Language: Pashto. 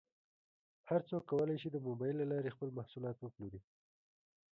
هر څوک کولی شي د مبایل له لارې خپل محصولات وپلوري.